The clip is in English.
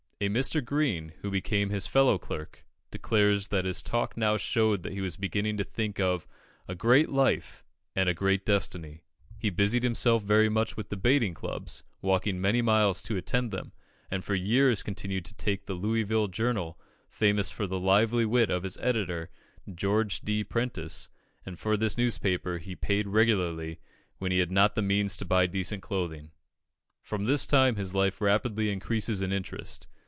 A Mr. Green, who became his fellow clerk, declares that his talk now showed that he was beginning to think of "a great life and a great destiny." He busied himself very much with debating clubs, walking many miles to attend them, and for years continued to take the "Louisville Journal," famous for the lively wit of its editor, George D. Prentice, and for this newspaper he paid regularly when he had not the means to buy decent clothing. From this time his life rapidly increases in interest.